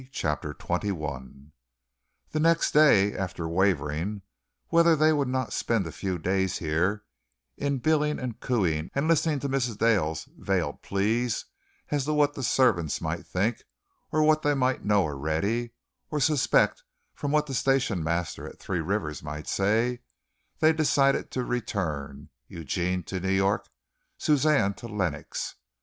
CHAPTER XXI The next day, after wavering whether they would not spend a few days here in billing and cooing and listening to Mrs. Dale's veiled pleas as to what the servants might think, or what they might know already or suspect from what the station master at Three Rivers might say, they decided to return, Eugene to New York, Suzanne to Lenox.